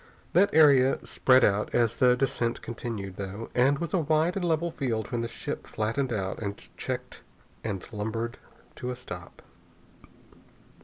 That area spread out as the descent continued, though, and was a wide and level field when the ship flattened out and checked and lumbered to a stop.